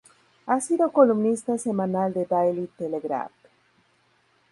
Ha sido columnista semanal del Daily Telegraph.